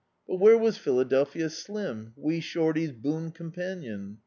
But where was Philadelphia Slini, Wee Shorty's boon ccwnpanion?